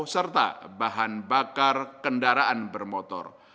serta bahan bakar kendaraan bermotor